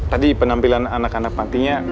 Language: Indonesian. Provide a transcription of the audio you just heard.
tadi penampilan anak anak pantinya